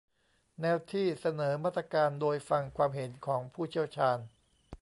แนวที่เสนอมาตรการโดยฟังความเห็นของผู้เชี่ยวชาญ